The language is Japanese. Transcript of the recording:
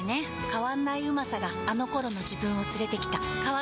変わんないうまさがあのころの自分を連れてきた。